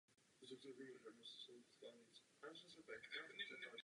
Je to turisticky oblíbená destinace.